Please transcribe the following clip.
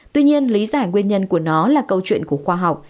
tuy nhiên lý giải nguyên nhân của nó là câu chuyện của khoa học